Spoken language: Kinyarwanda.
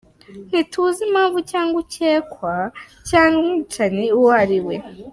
Ntituzi impamvu cyangwa ukekwa, cyangwa umwicanyi uwo ari we.